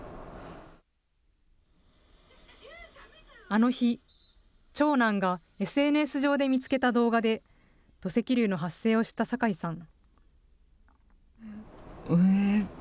あの日、長男がＳＮＳ上で見つけた動画で、土石流の発生を知った酒井さん。